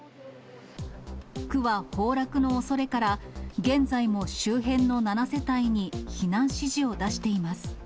区は崩落のおそれから、現在も周辺の７世帯に避難指示を出しています。